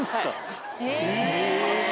え！